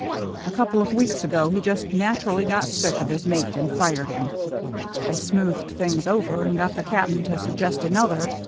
A couple of weeks ago he just naturally got sick of his mate and fired him. I smoothed things over and got the Cap'n to suggest another.